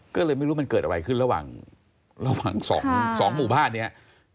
ก็เลยไม่รู้มันเกิดอะไรขึ้นระหว่างระหว่างสองหมู่บ้านเนี่ย